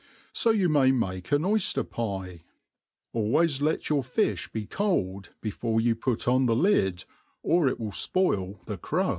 So ypu may make an oyfter pie* Always let your fiib be to\^ bffofe yoif put on th^ lid| o|: it will fpoil the ciru^.